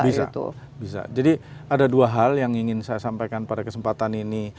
bisa bisa jadi ada dua hal yang ingin saya sampaikan pada kesempatan ini